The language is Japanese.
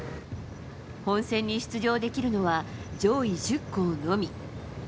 本戦に出場できるのは上位１０校のみ。